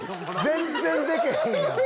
全然でけへんやん！